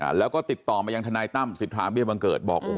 แล้วก็ติดต่อมายังทนายตั้มสิทธาเบี้ยบังเกิดบอกโอ้โห